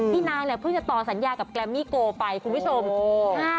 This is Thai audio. นางเนี่ยเพิ่งจะต่อสัญญากับแกรมมี่โกไปคุณผู้ชม